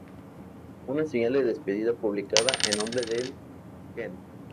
Una señal de despedida publicada en nombre del Gen.